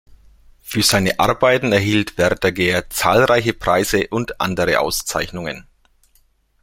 Für seine Arbeiten erhielt Verdaguer zahlreiche Preise und andere Auszeichnungen.